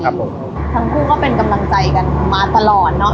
ทั้งคู่ก็เป็นกำลังใจกันมาตลอดเนอะ